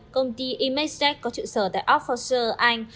công ty imagetech có trụ sở tại oxfordshire anh